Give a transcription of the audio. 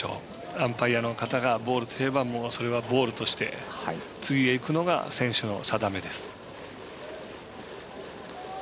アンパイアの方がボールといえばそれはボールとして次にいくのが選手のさだめです。